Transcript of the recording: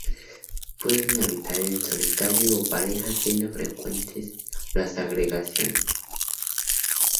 Pueden habitar en solitario o pareja, siendo frecuentes las agregaciones.